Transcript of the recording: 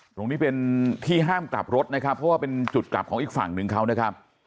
ตรงนี้เป็นที่ห้ามกลับรถนะครับเพราะว่าเป็นจุดกลับของอีกฝั่งหนึ่งเขานะครับ